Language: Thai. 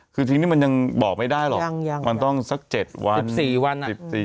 คือทีนี้มันยังบอกไม่ได้หรอกยังมันต้องซักเจ็ดวันสิบสี่วันสิบสี่